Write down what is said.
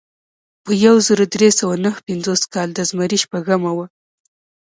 په یو زر درې سوه نهه پنځوس کال د زمري شپږمه وه.